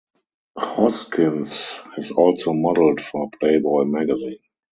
Hoskins has also modeled for "Playboy" magazine.